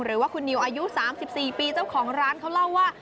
หรือว่าคุณนิวอายุ๓๔ปีเจ้าของร้านเขาเล่าว่า